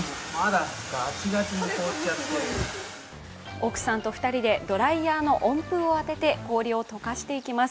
奥さんと２人でドライヤーの温風を当てて氷を溶かしていきます。